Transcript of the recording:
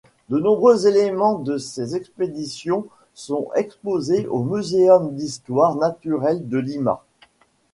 De nombreux éléments de ces expéditions sont exposés au muséum d'histoire naturelle de Lima.